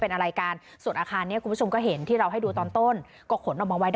เพราะว่าแบรนด์ก็อย่างว่าเราก็ไม่รู้มันจะเกิด